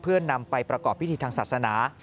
เพื่อนำไปประกอบพิธีทางศาสนา